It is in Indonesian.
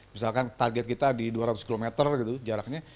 misalkan target kita di dua ratus km gitu jaraknya